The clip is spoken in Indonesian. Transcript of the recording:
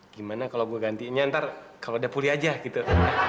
gimana kalau gue gantiinnya ntar kalau udah pulih aja gitu